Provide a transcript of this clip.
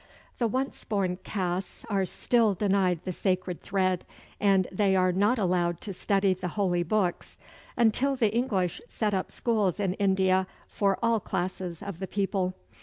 The "Once born" castes are still denied the sacred thread; and they were not allowed to study the holy books, until the English set up schools in India for all classes of the people.